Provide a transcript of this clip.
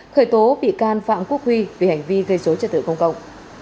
khởi tốp bị can phạm quốc huy về hành vi gây dối trả thứ công cộng